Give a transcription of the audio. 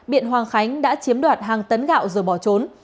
biện hoàng khánh đã chiếm đoạt hàng tấn gạo rồi bỏ trốn